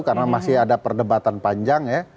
karena masih ada perdebatan panjang ya